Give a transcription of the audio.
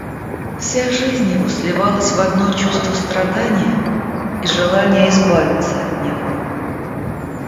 Вся жизнь его сливалась в одно чувство страдания и желания избавиться от него.